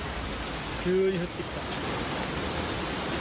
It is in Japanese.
急に降ってきた。